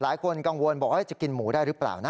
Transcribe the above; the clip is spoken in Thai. หลายคนกังวลบอกว่าจะกินหมูได้หรือเปล่านะ